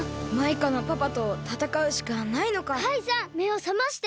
カイさんめをさまして！